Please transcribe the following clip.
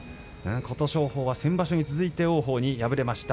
琴勝峰は先場所に続いて王鵬に敗れました。